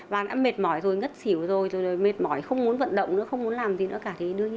bạn đã mệt mỏi rồi ngất xỉu rồi rồi mệt mỏi không muốn vận động nữa không muốn làm gì nữa cả